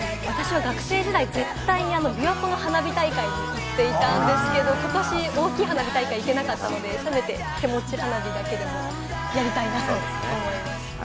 学生時代、絶対に琵琶湖の花火大会に行っていたんですけれども、ことし大きい花火大会に行けなかったので、せめて手持ち花火だけでもやりたいなと思います。